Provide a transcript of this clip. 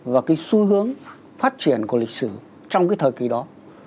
và cái xu hướng phát triển của lịch sử trong cái thời kỳ đó